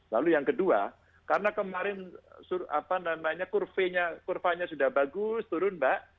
lalu yang kedua karena kemarin kurvanya sudah bagus turun mbak